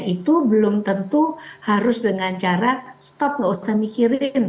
itu belum tentu harus dengan cara stop nggak usah mikirin